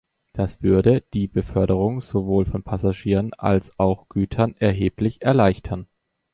Das würde die Beförderung sowohl von Passagieren als auch Gütern erheblich erleichtern.